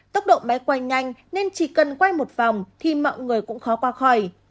tốc độ bé quay nhanh nên chỉ cần quay một vòng thì mọi người cũng khó qua khỏi